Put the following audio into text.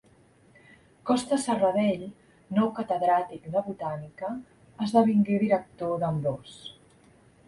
Costa Serradell, nou catedràtic de botànica, esdevingué director d'ambdós.